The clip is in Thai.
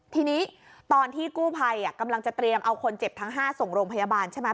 ทีนี้ตอนที่กู้ภัยกำลังจะเตรียมเอาคนเจ็บทั้ง๕ส่งโรงพยาบาลใช่ไหม